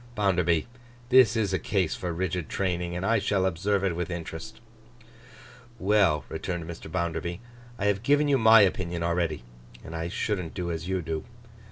Bounderby, this is a case for rigid training, and I shall observe it with interest.' 'Well,' returned Mr. Bounderby, 'I have given you my opinion already, and I shouldn't do as you do.